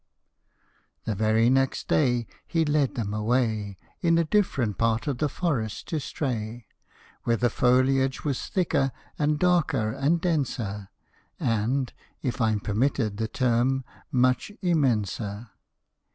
The very next day He led them away, In a different part of the forest to stray Where the foliage was thicker, and darker, and denser, And if I 'm permitted the term much immenser